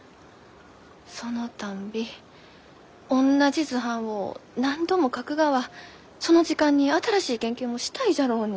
そのたんびおんなじ図版を何度も描くがはその時間に新しい研究もしたいじゃろうに。